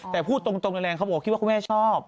แต่พูดตรงแรงเขาบอกว่าคิดว่าคุณแม่ชอบ